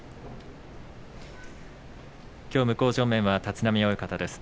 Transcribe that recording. きょう向正面は立浪親方です。